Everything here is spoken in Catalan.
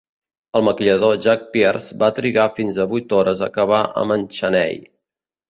El maquillador Jack Pierce va trigar fins a vuit hores a acabar amb en Chaney.